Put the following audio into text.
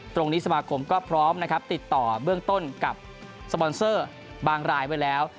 สมาคมก็พร้อมนะครับติดต่อเบื้องต้นกับสปอนเซอร์บางรายไว้แล้ว